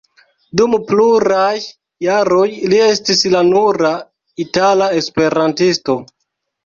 Dum pluraj jaroj li estis la nura itala esperantisto.